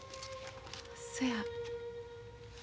そや。